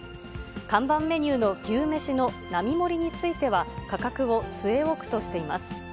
看板メニューの牛めしの並盛については、価格を据え置くとしています。